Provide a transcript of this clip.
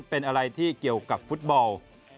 เป็นอะไรที่เกี่ยวกับฟุตบอล